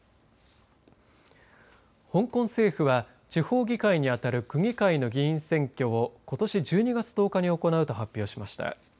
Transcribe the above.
香港政府は地方議会に当たる区議会の議員選挙をことし１２月１０日に行うと発表しました。